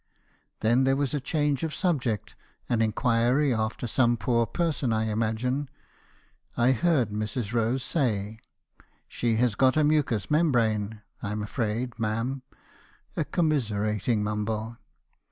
"Then there was a change of subject; an inquiry after some poor person, I imagine ; I heard Mrs. Rose say —" 'She has got a mucous membrane, I'm afraid, ma'am.' "A commiserating mumble.